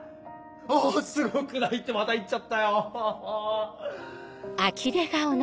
あ「すごくない？」ってまた言っちゃったよホッホ。